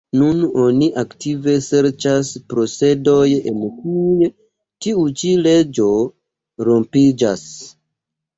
Nun oni aktive serĉas procedoj en kiuj tiu ĉi leĝo rompiĝas.